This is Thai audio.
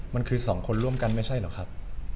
มันคือสองคนร่วมกันไม่ใช่เหรอครับ